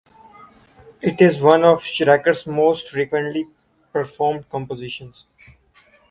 It is one of Schreker’s most frequently performed compositions.